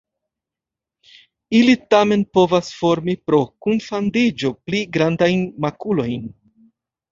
Ili tamen povas formi pro kunfandiĝo pli grandajn makulojn.